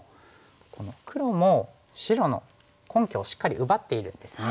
この黒も白の根拠をしっかり奪っているんですね。